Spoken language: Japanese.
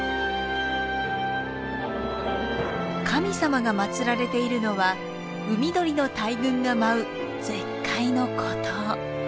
神様が祀られているのはウミドリの大群が舞う絶海の孤島。